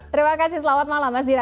terima kasih selamat malam mas dira